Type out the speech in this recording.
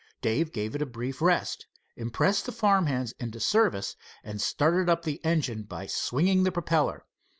Dave gave it a brief rest, impressed the farm hands into service, and started up the engine by swinging the propellor.